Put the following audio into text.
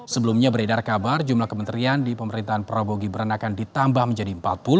sebelumnya beredar kabar jumlah kementerian di pemerintahan prabowo gibran akan ditambah menjadi empat puluh